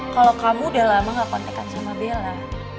kalau kamu udah lama gak kontekan sama bella